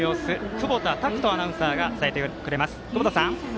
久保田拓人アナウンサーが伝えてくれます。